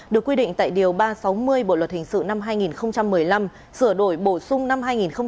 được quy định tại điều ba trăm sáu mươi bộ luật hình sự năm hai nghìn một mươi năm sửa đổi bổ sung năm hai nghìn một mươi bảy